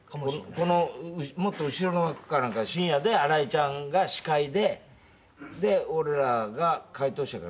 このもっと後ろの枠かなんかで深夜で新井ちゃんが司会でで俺らが解答者か